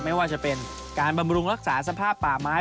ไม่ว่าจะเป็นการบำรุงรักษาสภาพป่าไม้